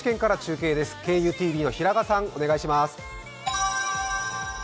ＫＵＴＶの平賀さん、お願いします。